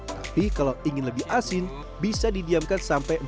tapi kalau ingin lebih asin bisa didiamkan sampai empat belas hari